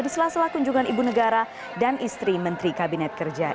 di sela sela kunjungan ibu negara dan istri menteri kabinet kerja